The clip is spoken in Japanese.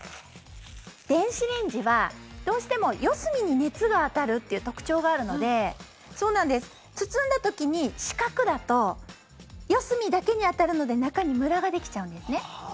電子レンジはどうしても四隅に熱が当たるという特徴があるので包んだ時に四角だと四隅だけに当たるので中にむらができちゃうんですね。